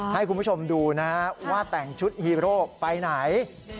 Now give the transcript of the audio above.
ให้คุณผู้ชมดูนะฮะว่าแต่งชุดฮีโร่ไปไหน